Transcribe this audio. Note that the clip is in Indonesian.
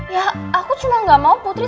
ya aku cuma gak mau putri